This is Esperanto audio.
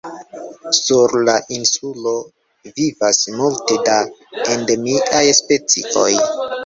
Sur la insulo vivas multe da endemiaj specioj.